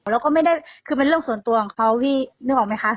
แล้วก็ไม่ได้คือเป็นเรื่องส่วนตัวของเขาพี่นึกออกไหมคะ